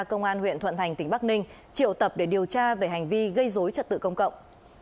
công an huyện thuận thành tỉnh bắc ninh triệu tập để điều tra về hành vi gây dối trật tự công cộng